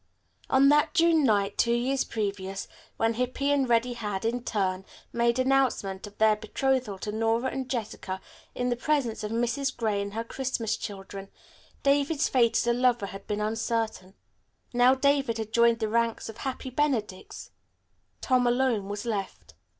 On that June night, almost two years previous, when Hippy and Reddy had, in turn, made announcement of their betrothal to Nora and Jessica in the presence of Mrs. Gray and her Christmas children, David's fate as a lover had been uncertain. Now David had joined the ranks of happy benedicts. Tom alone was left.